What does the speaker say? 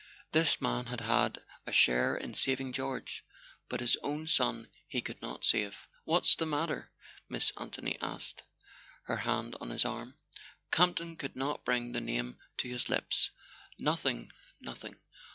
This man had had a share in saving George; but his own son he could not save. "What's the matter?" Miss Anthony asked, her hand on his arm. A SON AT THE FRONT Camp ton could not bring the name to his lips. "Nothing—nothing.